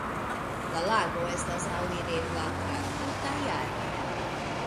La lago estas alirebla tra tuta jaro.